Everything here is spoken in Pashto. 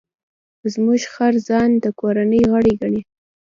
زموږ خر ځان د کورنۍ غړی ګڼي.